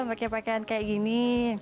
pakai pakaian kayak gini